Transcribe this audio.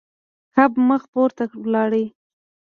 کب مخ پورته لاړ.